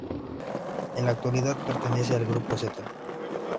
En la actualidad pertenece al grupo Zeta.